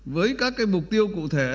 với các cái mục tiêu cụ thể